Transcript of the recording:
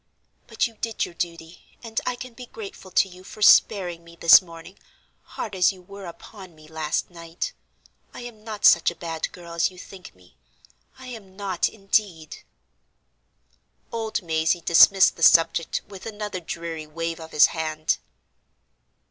But you did your duty, and I can be grateful to you for sparing me this morning, hard as you were upon me last night. I am not such a bad girl as you think me—I am not, indeed." Old Mazey dismissed the subject with another dreary wave of his hand.